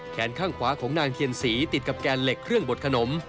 ข้างขวาของนางเทียนศรีติดกับแกนเหล็กเครื่องบดขนม